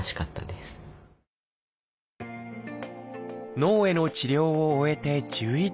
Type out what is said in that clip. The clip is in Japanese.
脳への治療を終えて１１年。